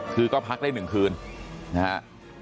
คือก็พักได้๑คืนนะฮะ